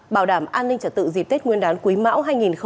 bảo đảm an ninh trả tự dịp tết nguyên đán quý mão hai nghìn hai mươi ba